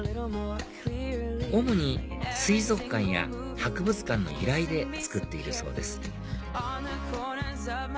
主に水族館や博物館の依頼で作っているそうです